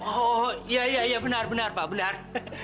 oh iya iya benar benar pak benar